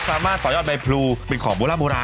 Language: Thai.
สามารถต่อยอดใบพลูเป็นของมุระมุระนะ